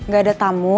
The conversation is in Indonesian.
gak ada tamu